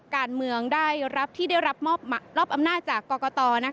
การเมืองที่ได้รับรอบอำนาจจากกกต